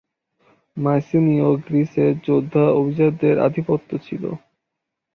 মাইসিনীয় গ্রিসে যোদ্ধা অভিজাতদের আধিপত্য ছিল।